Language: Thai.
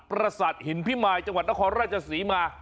ประศาจฮินพิมายถ้าจังหวัดนาคอราชศาสนิมาย